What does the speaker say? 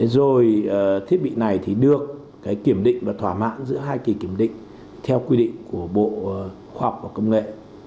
rồi thiết bị này thì được kiểm định và thỏa mãn giữa hai kỳ kiểm định theo quy định của bộ khoa học và công nghệ